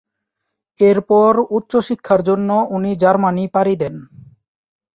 এর পর উচ্চশিক্ষার জন্য উনি জার্মানি পাড়ি দেন।